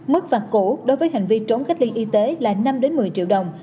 mức phạt cũ đối với hành vi trốn khách liên y tế là năm một mươi triệu đồng